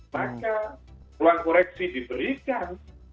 maka ruang koreksi diberikan